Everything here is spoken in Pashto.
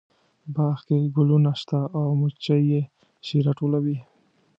باغ کې ګلونه شته او مچۍ یې شیره ټولوي